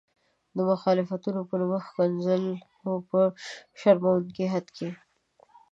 د مخالفتونو په نوم ښکنځلو په شرموونکي حد کې.